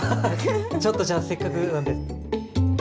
ちょっとじゃあせっかくなんで。